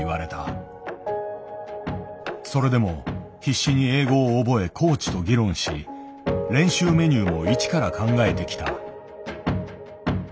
それでも必死に英語を覚えコーチと議論し練習メニューも一から考えてきた。